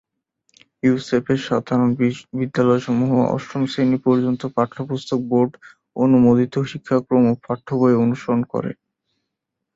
ইউসেপের সাধারণ বিদ্যালয়সমূহ অষ্টম শ্রেণি পর্যন্ত পাঠ্যপুস্তক বোর্ড অনুমোদিত শিক্ষাক্রম ও পাঠ্যবই অনুসরণ করে।